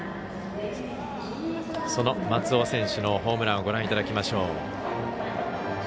その松尾選手のホームランをご覧いただきましょう。